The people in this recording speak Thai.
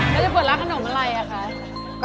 แล้วจะเปิดร้านขนมอะไรอะคะ